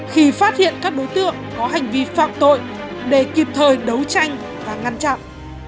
khi phát hiện các đối tượng có hành vi phạm tội để kịp thời đấu tranh và ngăn chặn